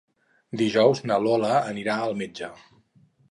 Dijous na Lola anirà al metge.